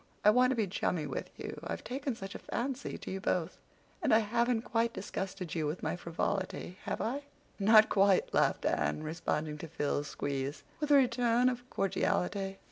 I want to be chummy with you. I've taken such a fancy to you both. And I haven't quite disgusted you with my frivolity, have I?" "Not quite," laughed Anne, responding to Phil's squeeze, with a return of cordiality.